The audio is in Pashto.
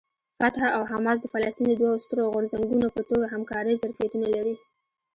فتح او حماس د فلسطین د دوو سترو غورځنګونو په توګه همکارۍ ظرفیتونه لري.